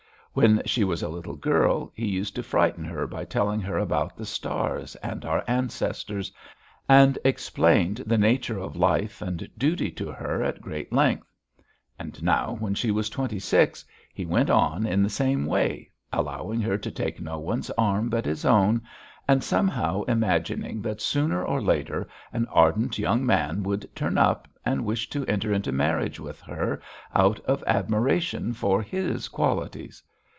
When she was a little girl he used to frighten her by telling her about the stars and our ancestors; and explained the nature of life and duty to her at great length; and now when she was twenty six he went on in the same way, allowing her to take no one's arm but his own, and somehow imagining that sooner or later an ardent young man would turn up and wish to enter into marriage with her out of admiration for his qualities.